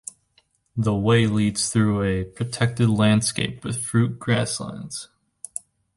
The way leads through a protected landscape with fruit grasslands.